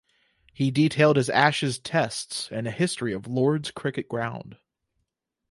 He detailed his Ashes Tests and a history of Lord's Cricket Ground.